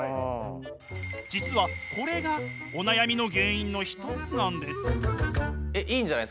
実はこれがお悩みの原因の一つなんです。